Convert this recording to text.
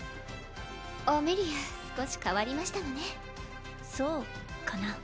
アメリア少し変わりましたのねそうかな？